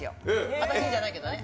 私のじゃないけどね。